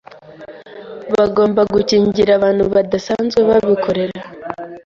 bagomba gukingira abantu badasanzwe babikorera.